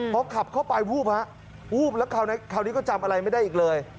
พอขับเข้าไปวูบฮะวูบแล้วคราวนี้ก็จำอะไรไม่ได้อีกเลย